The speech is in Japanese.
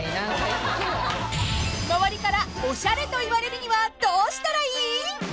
［周りからおしゃれと言われるにはどうしたらいい？］